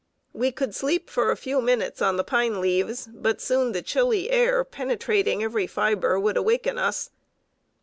We could sleep for a few minutes on the pine leaves; but soon the chilly air, penetrating every fibre, would awaken us.